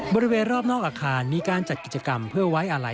บริเวณรอบนอกอาคารมีการจัดกิจกรรมเพื่อไว้อาลัย